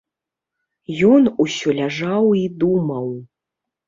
Ён усё ляжаў і думаў.